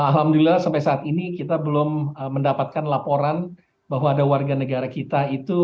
alhamdulillah sampai saat ini kita belum mendapatkan laporan bahwa ada warga negara kita itu